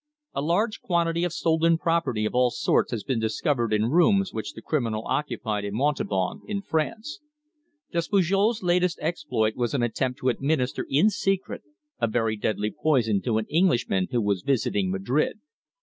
"A large quantity of stolen property of all sorts has been discovered in rooms which the criminal occupied in Montauban, in France. Despujol's latest exploit was an attempt to administer in secret a very deadly poison to an Englishman who was visiting Madrid.